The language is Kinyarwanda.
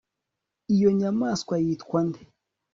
iyo nyamaswa yitwa nde